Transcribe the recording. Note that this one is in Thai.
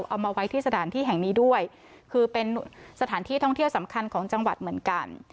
เอามาไว้ที่สถานที่แห่งนี้ด้วยคือเป็นสถานที่ท่องเที่ยวสำคัญของจังหวัดเหมือนกัน